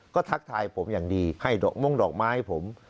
ก็ทักทายผมอย่างดีให้ดอกมงดอกไม้ให้ผม